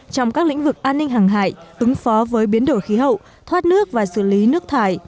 trong các lĩnh vực an ninh hàng hải ứng phó với biến đổi khí hậu thoát nước và xử lý nước thải